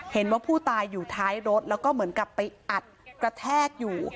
เห็นว่าผู้ตายอยู่ท้ายรถแล้วก็เหมือนกับไปอัดกระแทกอยู่